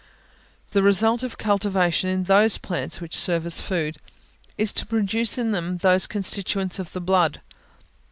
The result of cultivation in those plants which serve as food, is to produce in them those constituents of the blood.